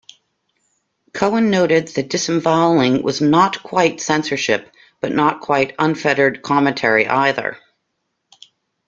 Cohen noted that disemvoweling was Not quite censorship, but not quite unfettered commentary either.